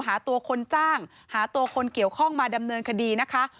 หาตัวคนจ้างหาตัวคนเกี่ยวข้องมาดำเนินคดีนะคะ